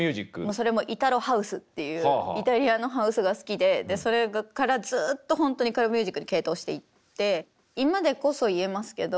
それもイタロハウスっていうイタリアのハウスが好きでそれからずっとほんとにクラブミュージックに傾倒していって今でこそ言えますけど